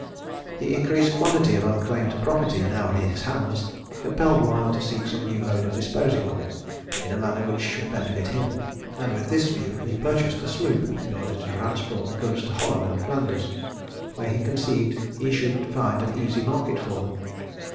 The increased quantity of unclaimed property now in his hands, compelled Wild to seek some new mode of disposing of it, in a manner which should benefit him; and with this view he purchased a sloop, in order to transport the goods to Holland and Flanders, where he conceived he should find an easy market for them.